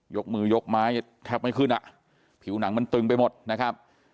ยกมือยกไม้แทบไม่ขึ้นอ่ะผิวหนังมันตึงไปหมดนะครับ